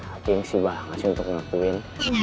gak cuka sih mbak nggak cinta untuk ngelakuin